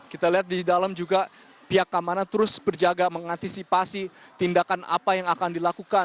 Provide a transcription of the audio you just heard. kita lihat di dalam juga pihak keamanan terus berjaga mengantisipasi tindakan apa yang akan dilakukan